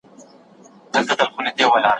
موږ د نويو موندنو په لټه کي وو.